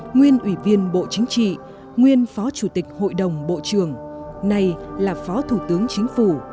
nguyên ủy viên bộ chính trị nguyên phó chủ tịch hội đồng bộ trưởng nay là phó thủ tướng chính phủ